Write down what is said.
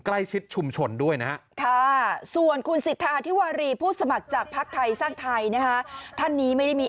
ชุมชนด้วยนะฮะส่วนคุณสิทธาธิวารีผู้สมัครจากภักดิ์ไทยสร้างไทยนะฮะท่านนี้ไม่ได้มี